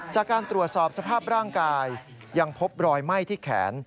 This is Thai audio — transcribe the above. จากการตรวจสอบสภาพร่างกายยังพบรอยไหม้ที่แขน